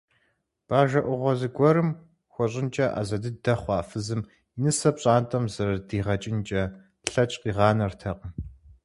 Бажэ Ӏугъуэ зыгуэрым хуэщӀынкӀэ Ӏэзэ дыдэ хъуа фызым и нысэр пщӀантӀэм зэрыдигъэкӀынкӀэ лъэкӀ къигъанэртэкъым.